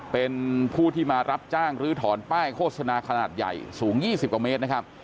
เป็นผู้ที่มารับจ้างลื้อถอนป้ายโฆษณาขนาดใหญ่สูง๒๐กว่าเมตรนะครับ